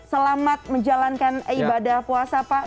selamat menjalankan ibadah puasa pak